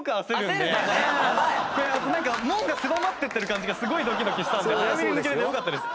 門が狭まってってる感じがすごいドキドキしたので早めに抜けれてよかったです。